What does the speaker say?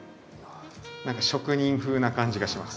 何か職人風な感じがします。